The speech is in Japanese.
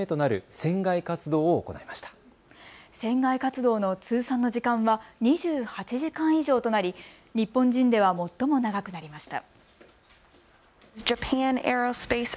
船外活動の通算の時間は２８時間以上となり日本人では最も長くなりました。